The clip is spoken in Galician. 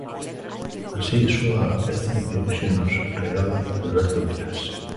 Así soa a peza que hoxe nos regala Alberto Vilas.